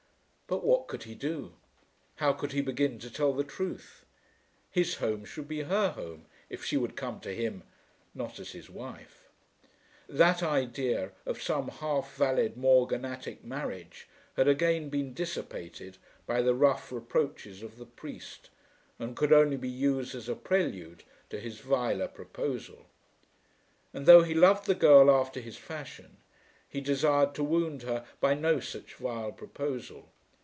But what could he do? How could he begin to tell the truth? His home should be her home, if she would come to him, not as his wife. That idea of some half valid morganatic marriage had again been dissipated by the rough reproaches of the priest, and could only be used as a prelude to his viler proposal. And, though he loved the girl after his fashion, he desired to wound her by no such vile proposal.